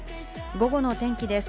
午後の天気です。